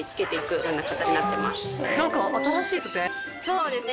そうなんですね。